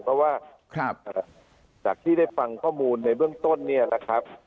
เพราะว่าจากที่ได้ฟังข้อมูลในเบื้องต้นเนี่ยนะครับ